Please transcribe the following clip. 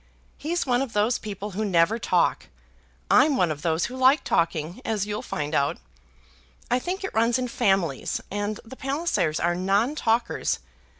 He's one of those people who never talk. I'm one of those who like talking, as you'll find out. I think it runs in families; and the Pallisers are non talkers.